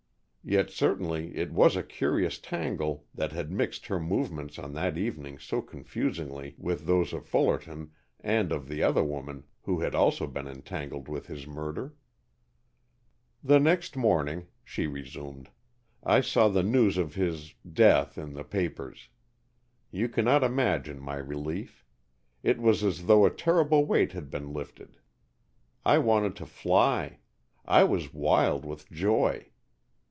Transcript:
Yet certainly it was a curious tangle that had mixed her movements on that evening so confusingly with those of Fullerton and of the other woman who had also been entangled with his murder. "The next morning," she resumed, "I saw the news of his death in the papers. You cannot imagine my relief. It was as though a terrible weight had been lifted. I wanted to fly. I was wild with joy.